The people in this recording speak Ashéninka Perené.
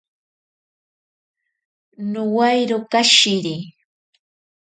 Nowairo kashiri.